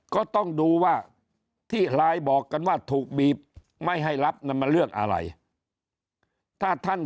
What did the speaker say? ก็ต้องดูว่าที่ไลน์บอกกันว่าถูกบีบไม่ให้รับนั้นมันเรื่องอะไรถ้าท่าน